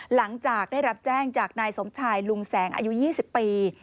หลังจากได้รับแจ้งจากนายสมชายลุงแสงอายุ๒๐ปี